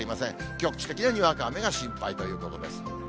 局地的なにわか雨が心配ということです。